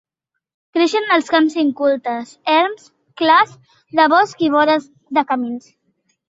Creixen als camps incultes, erms, clars de bosc i vores de camins.